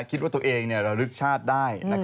คิดว่าตัวเองระลึกชาติได้